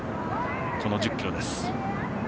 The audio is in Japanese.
この１０ｋｍです。